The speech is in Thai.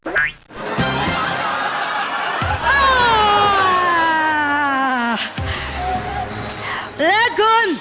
และคือ